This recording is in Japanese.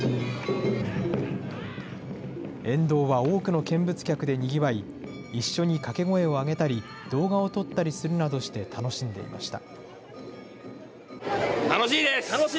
沿道は多くの見物客でにぎわい、一緒に掛け声を上げたり、動画を撮ったりするなどして楽しんでいました。